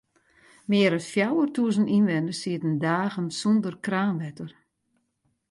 Mear as fjouwertûzen ynwenners sieten dagen sûnder kraanwetter.